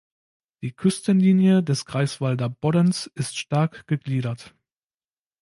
Die Küstenlinie des Greifswalder Boddens ist stark gegliedert.